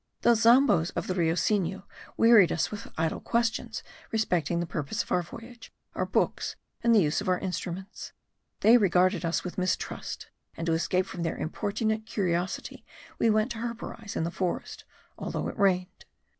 The zambos of the Rio Sinu wearied us with idle questions respecting the purpose of our voyage, our books, and the use of our instruments: they regarded us with mistrust; and to escape from their importunate curiosity we went to herborize in the forest, although it rained.